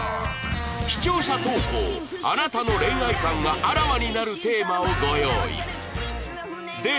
視聴者投稿あなたの恋愛観があらわになるテーマをご用意